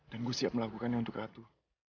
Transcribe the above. dan gue siap melakukannya untuk ratu